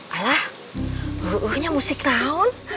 alah urunya musik tahun